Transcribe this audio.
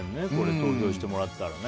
投票してもらったらね。